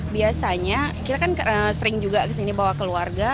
biasanya kita kan sering juga kesini bawa keluarga